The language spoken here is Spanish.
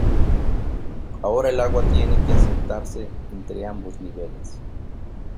ahora el agua tiene que asentarse entre ambos niveles.